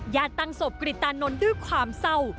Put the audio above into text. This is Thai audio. ตั้งศพกริตานนท์ด้วยความเศร้า